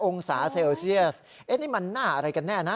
องศาเซลเซียสนี่มันหน้าอะไรกันแน่นะ